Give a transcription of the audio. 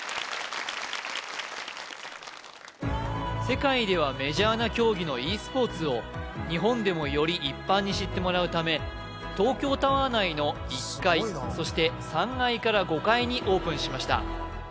世界ではメジャーな競技のｅスポーツを日本でもより一般に知ってもらうため東京タワー内の１階そして３階から５階にオープンしました